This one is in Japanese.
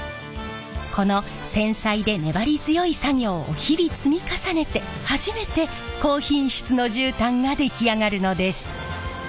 この繊細で粘り強い作業を日々積み重ねて初めて高品質の絨毯が出来上がるのです。